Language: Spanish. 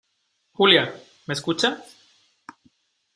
Julia, ¿ me escucha?